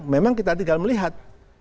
memang kita tinggal melihat